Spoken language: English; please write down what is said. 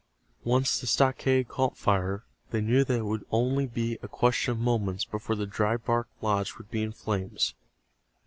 Once the stockade caught fire they knew that it would only be a question of moments before the dry bark lodge would be in flames.